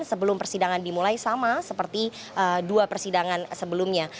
dan sebelum persidangan dimulai sama seperti dua persidangan sebelumnya